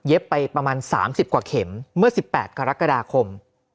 เย็บไปประมาณสามสิบกว่าเข็มเมื่อสิบแปดกรกฎาคม